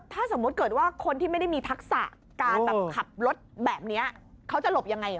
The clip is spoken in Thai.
ถ้าสมมุติเกิดว่าคนที่ไม่ได้มีทักษะการแบบขับรถแบบนี้เขาจะหลบยังไง